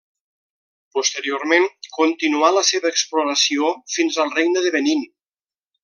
Posteriorment continuà la seva exploració fins al Regne de Benín.